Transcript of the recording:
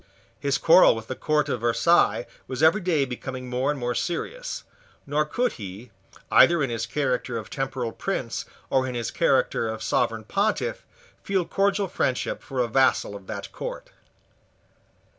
His quarrel with the court of Versailles was every day becoming more and more serious; nor could he, either in his character of temporal prince or in his character of Sovereign Pontiff, feel cordial friendship for a vassal of that court.